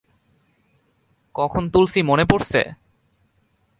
কখন তুলছি মনে পরছে?